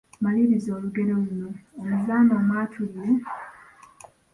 Maliriza olugero luno. Omuzaana omwatulire, …..